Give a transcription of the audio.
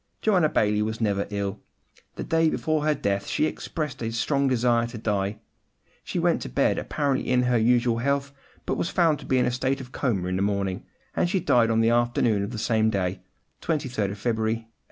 Joanna Baillie was never ill. The day before her death she expressed a strong desire to die. She went to bed, apparently in her usual health, but was found to be in a state of coma in the morning, and she died on the afternoon of the same day, 23d February 1851.